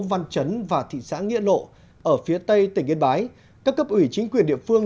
văn trấn và thị xã nghĩa lộ ở phía tây tỉnh yên bái các cấp ủy chính quyền địa phương